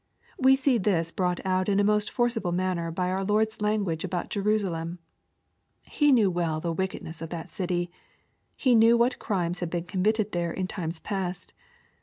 We see this brought out in a most forcfble manner by our Lord's language about Jerusa lem. He knew well the wickedness of that city. He knew what crimes had been committed there in times past.